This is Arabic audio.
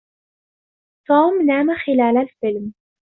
توم نامَ خِلالَ الفيلم